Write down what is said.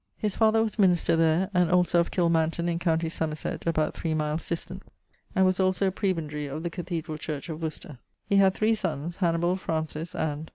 His father was minister there, and also of Kilmanton in com. Somerset about 3 miles distant, and was also a prebendary of the Cathedrall Church of Worcester. He had three sonnes, Hannibal, Francis, and....